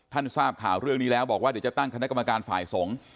ทราบข่าวเรื่องนี้แล้วบอกว่าเดี๋ยวจะตั้งคณะกรรมการฝ่ายสงฆ์